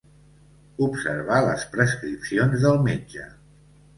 Observar les prescripcions del metge.